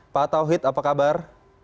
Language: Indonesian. pak tauhid apa kabar